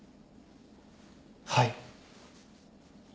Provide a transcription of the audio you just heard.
はい。